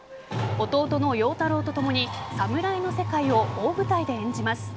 弟の陽太郎とともに侍の世界を大舞台で演じます。